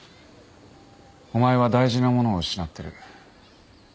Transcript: お前は大事なものを失ってる。